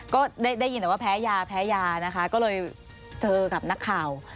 ก็ได้ยินแต่ว่าแพ้ยาแพ้ยานะคะก็เลยเจอกับนักข่าว